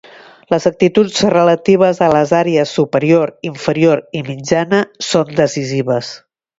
Les actituds relatives a les àrees superior, inferior i mitjana són decisives.